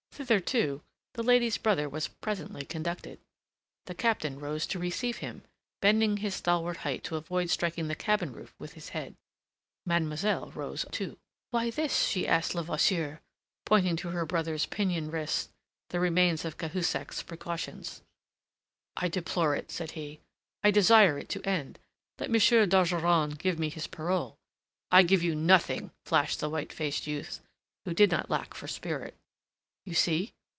Thither, too, the lady's brother was presently conducted. The Captain rose to receive him, bending his stalwart height to avoid striking the cabin roof with his head. Mademoiselle rose too. "Why this?" she asked Levasseur, pointing to her brother's pinioned wrists the remains of Cahusac's precautions. "I deplore it," said he. "I desire it to end. Let M. d'Ogeron give me his parole...." "I give you nothing," flashed the white faced youth, who did not lack for spirit. "You see."